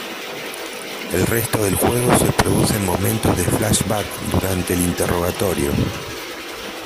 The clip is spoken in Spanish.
El resto del juego se produce en momentos de flashback durante el interrogatorio.